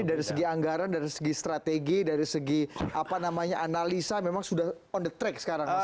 jadi dari segi anggaran dari segi strategi dari segi analisa memang sudah on the track sekarang